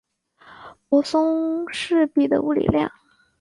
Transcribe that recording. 泊松式比的物理量。